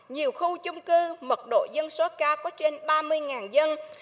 nhiều khu chung cư mật độ dân số cao có trên ba mươi dân